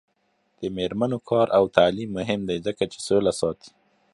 د میرمنو کار او تعلیم مهم دی ځکه چې سوله ساتي.